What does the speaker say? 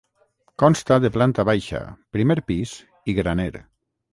Consta de planta baixa, primer pis i graner.